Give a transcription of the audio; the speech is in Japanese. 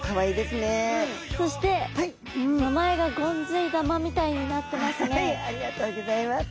そして名前がゴンズイ玉みたいになってますね。